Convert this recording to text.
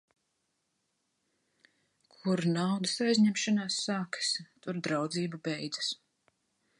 Kur naudas aizņemšanās sākas, tur draudzība beidzas.